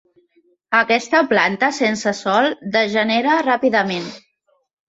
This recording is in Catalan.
Aquesta planta, sense sol, degenera ràpidament.